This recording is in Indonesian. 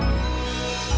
di sana itu mereka